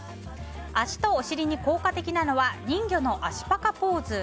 脚とお尻に効果的なのは人魚の脚パカポーズ。